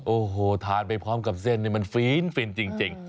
โอ้โหทานไปพร้อมกับเส้นนี่มันฟินจริง